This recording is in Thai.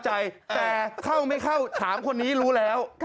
แต่เข้าไม่เข้าถามคนนี้รู้แล้ว